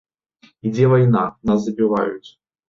Ідзе вайна, нас забіваюць.